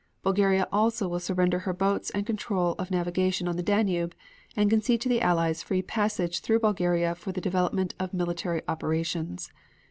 Bulgaria also will surrender her boats and control of navigation on the Danube, and concede to the Allies free passage through Bulgaria for the development of military operations.